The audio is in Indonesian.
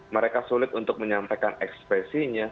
mereka sulit untuk menyampaikan ekspresinya